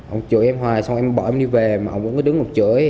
ông chửi em hoài xong em bỏ em đi về mà ông cũng cứ đứng một chửi